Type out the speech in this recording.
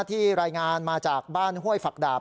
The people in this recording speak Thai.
รายงานมาจากบ้านห้วยฝักดาบ